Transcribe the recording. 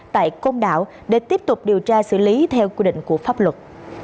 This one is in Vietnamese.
tại côn đảo để tiếp tục điều tra xử lý theo quy định của pháp luật